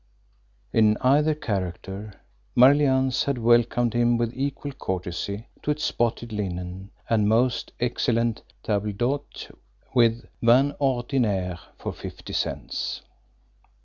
In either character Marlianne's had welcomed him with equal courtesy to its spotted linen and most excellent table d'hote with VIN ORDINAIRE for fifty cents.